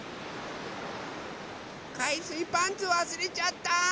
かいすいパンツわすれちゃった。